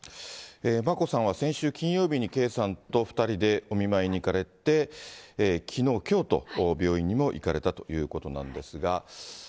眞子さんは先週金曜日に圭さんと２人でお見舞いに行かれて、きのう、きょうと病院にも行かれたということなんですが。